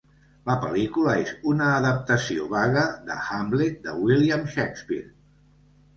La pel·lícula és una adaptació vaga de "Hamlet" de William Shakespeare.